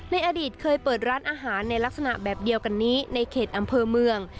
ในอดีตเคยเปิดร้านอาหารในลักษณะแบบเดียวกันนี้ในเขตอำเภอเมือง